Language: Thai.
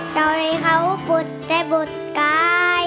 เจ้าให้เขาบุฏใจบุฏกาย